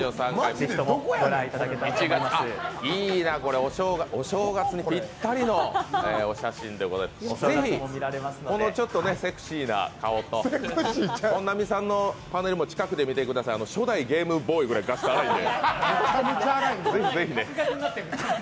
是非、このセクシーな顔と、本並さんのパネルも近くで見てください初代ゲームボーイぐらい画像粗いので。